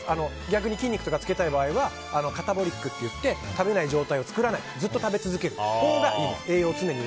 逆に筋肉とかつけたい場合はカタボリックって言って食べない状態を作らないずっと食べ続けるほうがそのほうが栄養が。